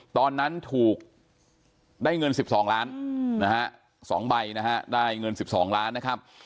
ตอนนั้นถูกได้เงิน๑๒ล้านนะฮะ๒ใบนะฮะได้เงิน๑๒ล้านนะครับ